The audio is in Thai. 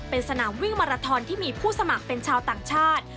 เป็นสนามวิ่งมาราทอนที่มีผู้สมัครเป็นชาวต่างชาติ